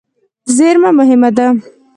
زېرمه مهمه ده.